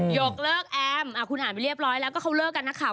ยกเลิกแอมคุณอ่านไปเรียบร้อยแล้วก็เขาเลิกกันนักข่าว